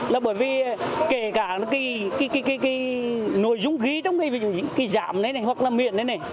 là bởi vì kể cả cái nội dung ghi trong cái giảm này này hoặc là miệng này này